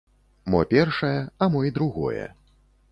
Мо першае, а мо і другое.